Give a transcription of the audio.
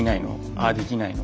ああできないの？